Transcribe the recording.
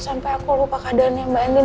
sampai aku lupa keadaannya bu andien